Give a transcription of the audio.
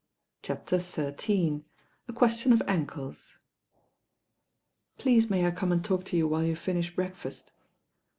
CHAPTER XIII A QUESTION OF ANKLES PLEASE may I come and talk • to you while you finish breakfast?"